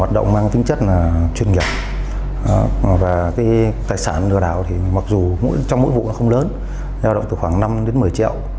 tài sản lừa đảo mặc dù trong mỗi vụ không lớn giao động từ khoảng năm một mươi triệu